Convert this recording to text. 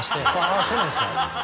あぁそうなんですか。